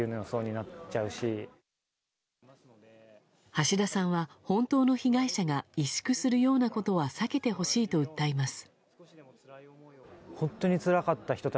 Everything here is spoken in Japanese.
橋田さんは、本当の被害者が萎縮するようなことは避けてほしいと訴えます。